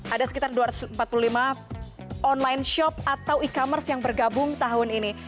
ada sekitar dua ratus empat puluh lima online shop atau e commerce yang bergabung tahun ini